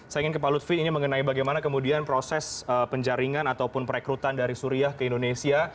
saya ingin ke pak lutfi ini mengenai bagaimana kemudian proses penjaringan ataupun perekrutan dari suriah ke indonesia